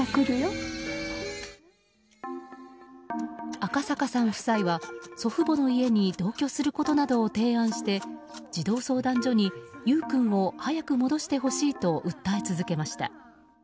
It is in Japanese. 赤阪さん夫妻は祖父母の家に同居することなどを提案して児童相談所に優雨君を早く戻してほしいと訴え続けました。